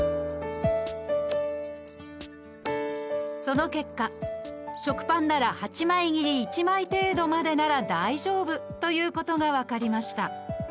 その結果、食パンなら８枚切り１枚程度までなら大丈夫ということが分かりました。